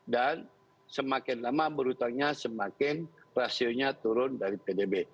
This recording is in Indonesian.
dan semakin lama berhutangnya semakin rasionya turun dari pdb